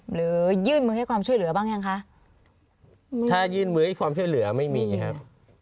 หรือยื่นมือให้ความช่วยเหลือบ้างยังคะถ้ายื่นมือให้ความช่วยเหลือไม่มีครับ